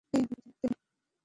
হেই, আমি কথা দেইনি!